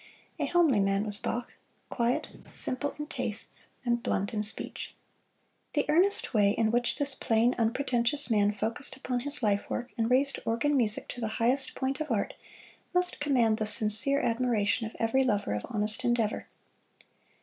A homely man was Bach quiet, simple in tastes and blunt in speech. The earnest way in which this plain, unpretentious man focused upon his life work and raised organ music to the highest point of art must command the sincere admiration of every lover of honest endeavor.